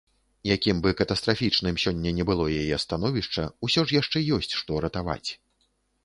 Якім бы катастрафічным сёння не было яе становішча, усё ж яшчэ ёсць што ратаваць.